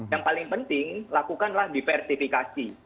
yang paling penting lakukanlah diversifikasi